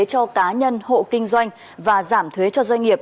cho cá nhân hộ kinh doanh và giảm thuế cho doanh nghiệp